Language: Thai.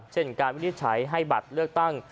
เช่นการวินิจฉัยให้บัตรเลือกตั้ง